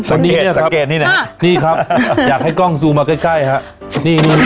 สังเกตสังเกตนี่ไหนฮะนี่ครับอยากให้กล้องซูมมาใกล้ใกล้ฮะนี่นี่นี่